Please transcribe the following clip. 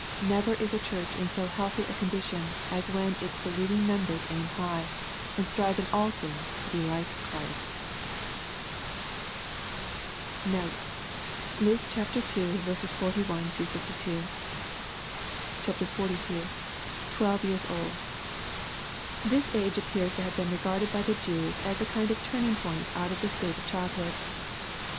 Never is a Church in so healthy a condition as when its believing members aim high, and strive in all things to be like Christ. Notes. Luke II. 41 — 52. 42* — [Tivdve years old.] This age appears to have been regarded by the Jews as a kind of turning point out of the state of child hood.